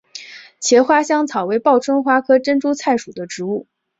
茄花香草为报春花科珍珠菜属的植物。